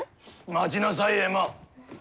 待ちなさいエマ。